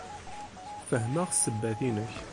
Fehmeɣ ssebbat-inek.